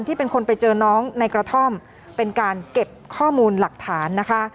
เป็นคนไปเจอน้องในกระท่อมเป็นการเก็บข้อมูลหลักฐานนะคะ